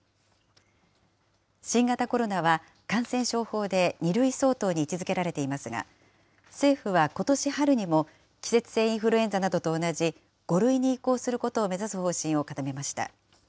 新型コロナは、感染症法で２類相当に位置づけられていますが、政府はことし春にも、季節性インフルエンザなどと同じ５類に移行することを目指す方針を固めました。